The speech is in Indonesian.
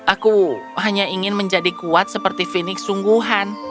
aku hanya ingin menjadi kuat seperti phoenix sungguhan